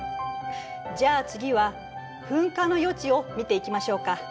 じゃあ次は噴火の予知を見ていきましょうか。